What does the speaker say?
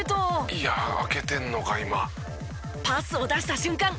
「いや空けてるのか今」パスを出した瞬間